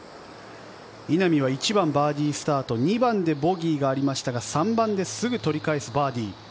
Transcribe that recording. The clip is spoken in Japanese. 稲見は１番をバーディースタート、２番でボギーがありましたが、３番ですぐ取り返すバーディー。